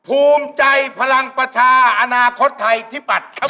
ภูมิใจพลังปัชฌาาณาคตไทยที่ปัดครับ